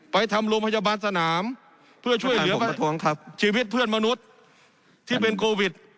ไปทำโรงพยาบาลสนามเพื่อช่วยเหลือชีวิตเพื่อนมนุษย์ที่เป็นโควิด